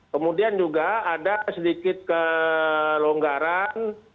kemudian juga ada sedikit kelonggaran